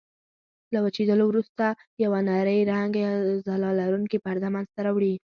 له وچېدلو وروسته یوه نرۍ رنګه یا ځلا لرونکې پرده منځته راوړي.